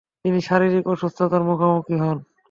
তিনি শারীরিক অসুস্থতার মুখোমুখি হন।